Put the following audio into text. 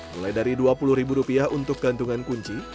mulai dari rp dua puluh ribu rupiah untuk gantungan kunci